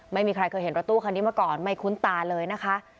ไม่เคยเห็นรถตู้คันนี้มาก่อนไม่คุ้นตาเลยนะคะ